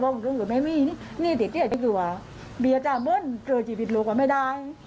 บอกว่าไม่มีนี่เชียร์เตะเชียร์ที่ดูว่า